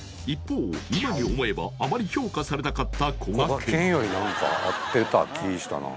一方今に思えばあまり評価されなかったこがけん